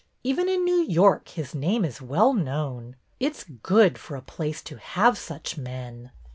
Even in New York his name is well known. It 's good for a place to have such men."